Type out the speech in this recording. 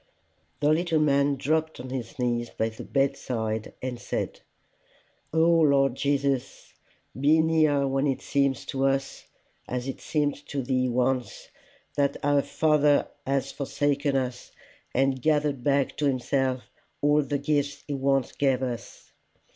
The little man dropped on his knees by the bedside, and said, "O Lord Jesus, be near when it seems to us, as it seemed to thee once, that our Father has forsaken us, and gathered back to himself all the gifts he once gave us.